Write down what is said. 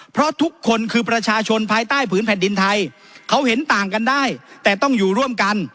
เพราะทุกคนคือประชาชนภายใต้ผืนแผ่นดินไทยเขาเห็นต่างกันได้แต่ต้องอยู่ร่วมกัน